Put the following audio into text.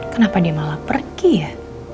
kenapa dia malah pergi ya